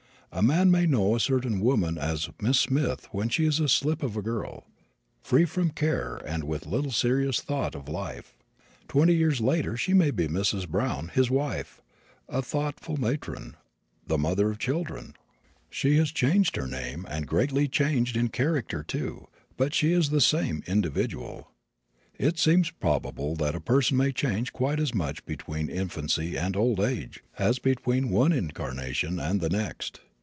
A man may know a certain woman as Miss Smith when she is a slip of a girl, free from care and with little serious thought of life. Twenty years later she may be Mrs. Brown, his wife, a thoughtful matron, the mother of children. She has changed her name and greatly changed in character, too, but she is the same individual. It seems probable that a person may change quite as much between infancy and old age as between one incarnation and the next.